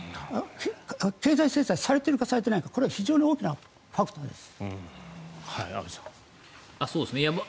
経済制裁されているかされていないかこれは非常に大きなファクターです。